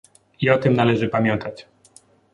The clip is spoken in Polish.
I o tym należy pamiętać